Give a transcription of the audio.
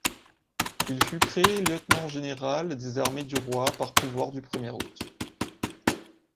Il fut créé lieutenant-général des armées du roi par pouvoirs du premier août.